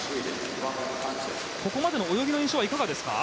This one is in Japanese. ここまでの泳ぎの印象いかがですか？